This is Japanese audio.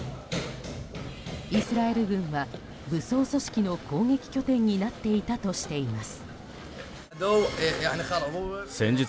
イスラエル軍は武装組織の攻撃拠点になっていたとしています。